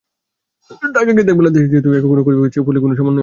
ঢাকাকে দেখভালের যেহেতু কোনো একক কর্তৃপক্ষ নেই, ফলে কোনো সমন্বয়ও নেই।